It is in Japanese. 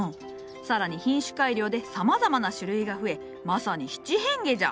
更に品種改良でさまざまな種類が増えまさに七変化じゃ。